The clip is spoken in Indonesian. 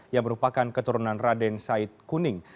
yang merupakan keturunan raden said kuning